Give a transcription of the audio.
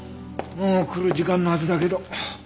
もう来る時間のはずだけど。